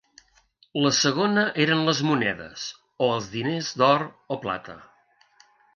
La segona eren les monedes, o els diners d'or o plata.